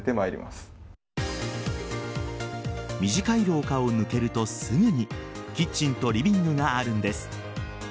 短い廊下を抜けるとすぐにキッチンとリビングがあるんです。